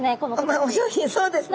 まあお上品そうですね。